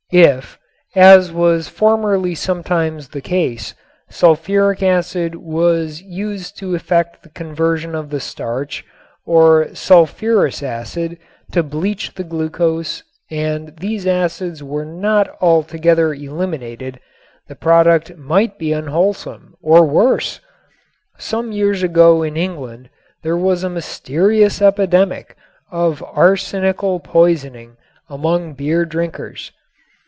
If, as was formerly sometimes the case, sulfuric acid was used to effect the conversion of the starch or sulfurous acid to bleach the glucose and these acids were not altogether eliminated, the product might be unwholesome or worse. Some years ago in England there was a mysterious epidemic of arsenical poisoning among beer drinkers.